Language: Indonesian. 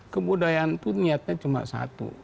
kebudayaan itu niatnya cuma satu